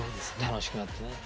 楽しくなってね。